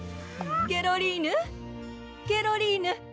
ケロリーヌケロリーヌ！